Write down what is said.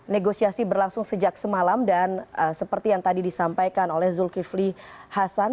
negosiasi berlangsung sejak semalam dan seperti yang tadi disampaikan oleh zulkifli hasan